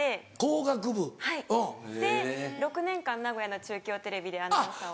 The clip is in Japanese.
で６年間名古屋の中京テレビでアナウンサーを。